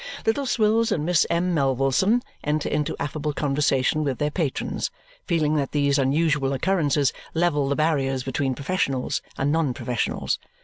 Little Swills and Miss M. Melvilleson enter into affable conversation with their patrons, feeling that these unusual occurrences level the barriers between professionals and non professionals.